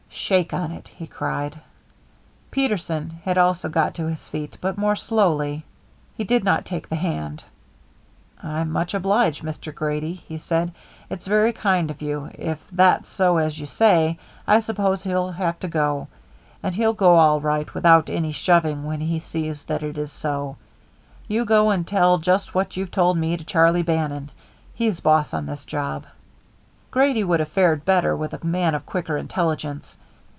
"Shake on it!" he cried. Peterson had also got to his feet, but more slowly. He did not take the hand. "I'm much obliged, Mr. Grady," he said. "It's very kind in you. If that's so as you say, I suppose he'll have to go. And he'll go all right without any shoving when he sees that it is so. You go and tell just what you've told me to Charlie Bannon. He's boss on this job." Grady would have fared better with a man of quicker intelligence.